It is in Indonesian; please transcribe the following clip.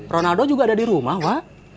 ronaldo juga ada di rumah pak